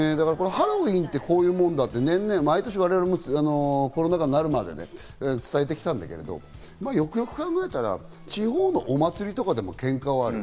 ハロウィーンってこういうもんだって、毎年コロナ禍になるまで年々伝えてきたんだけど、よくよく考えたら地方のお祭りとかでもケンカはある。